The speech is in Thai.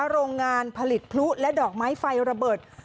โรงงานผลิตพลุและดอกไม้ไฟระเบิด